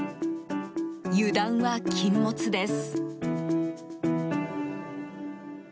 油断は禁物です。